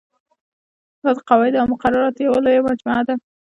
دا د قواعدو او مقرراتو یوه لویه مجموعه ده.